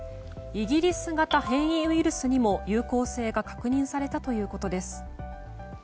イギリス型変異ウイルスにも有効性が確認されたということです。